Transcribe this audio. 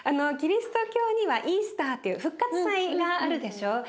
キリスト教にはイースターっていう復活祭があるでしょ。